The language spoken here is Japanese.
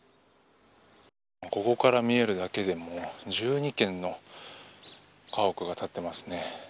ここから見えるだけでも１２軒の家屋が立ってますね。